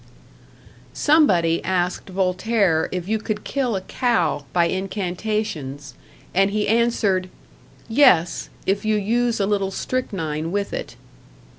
Somebody asked Voltaire if you could kill a cow by incantations, and he answered, "Yes, if you use a little strychnine with it."